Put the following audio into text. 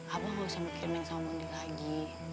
abah gak usah mikir sama mandi lagi